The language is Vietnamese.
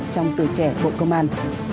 trong tuổi trẻ bộ công an